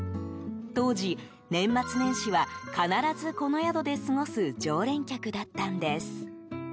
当時、年末年始は必ずこの宿で過ごす常連客だったんです。